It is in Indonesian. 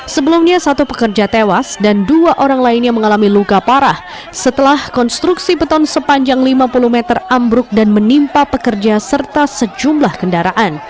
sebelumnya satu pekerja tewas dan dua orang lainnya mengalami luka parah setelah konstruksi beton sepanjang lima puluh meter ambruk dan menimpa pekerja serta sejumlah kendaraan